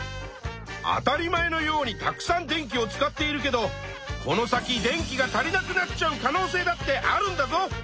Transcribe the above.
当たり前のようにたくさん電気を使っているけどこの先電気が足りなくなっちゃう可能せいだってあるんだぞ！